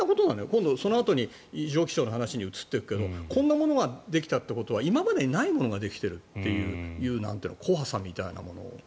今度、そのあとに異常気象の話に移っていくけどこんなものができたということは今までにないものができているという怖さみたいなものを。